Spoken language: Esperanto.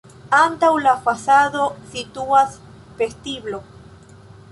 Antaŭ la fasado situas vestiblo.